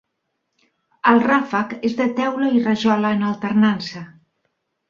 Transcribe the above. El ràfec és de teula i rajola en alternança.